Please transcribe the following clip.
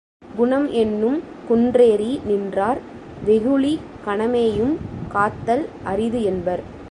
குணம் என்னும் குன்றேறி நின்றார் வெகுளி கணமேயும் காத்தல் அரிது என்பர்.